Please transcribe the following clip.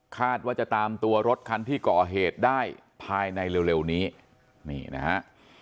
คาดว่าจะตามตัวรถคันที่ก่อเหตุได้ภายในเร็วนี้นี่นะฮะ